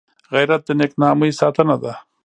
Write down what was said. غیرت د نېک نامۍ ساتنه ده